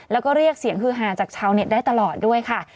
แล้วก็เรียกเสียงฮือหาจากชาวเน็ตได้ตลอดด้วยค่ะ